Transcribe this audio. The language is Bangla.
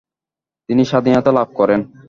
তিনি স্বাধীনতা লাভ করেন।